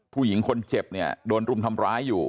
ผู้หญิงคนเจ็บเนี่ยโดนรุมทำร้ายอยู่